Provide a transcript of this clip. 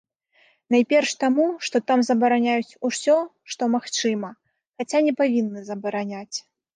Найперш таму, што там забараняюць усё, што магчыма, хаця не павінны забараняць.